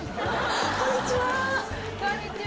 こんにちは。